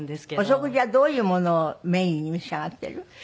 お食事はどういうものをメインに召し上がっている？